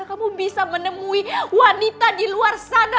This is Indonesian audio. kamu bisa menemui wanita di luar sana